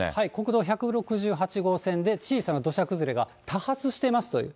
国道１６８号線で、小さな土砂崩れが多発してますという。